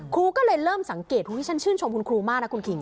ครูก็เลยเริ่มสังเกตฉันชื่นชมคุณครูมากนะคุณคิง